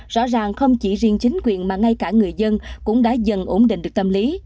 rõ ràng không chỉ riêng chính quyền mà ngay cả người dân cũng đã dần ổn định được tâm lý